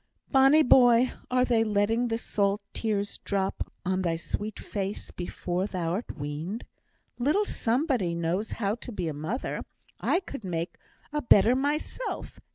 "My bonny boy! are they letting the salt tears drop on thy sweet face before thou'rt weaned! Little somebody knows how to be a mother I could make a better myself.